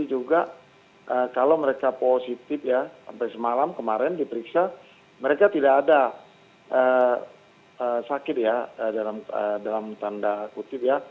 juga kalau mereka positif ya sampai semalam kemarin diperiksa mereka tidak ada sakit ya dalam tanda kutip ya